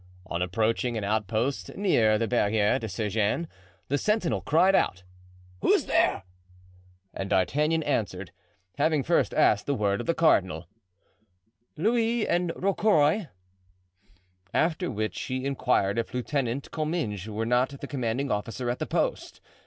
On approaching an outpost near the Barriere des Sergens, the sentinel cried out, "Who's there?" and D'Artagnan answered—having first asked the word of the cardinal—"Louis and Rocroy." After which he inquired if Lieutenant Comminges were not the commanding officer at the outpost.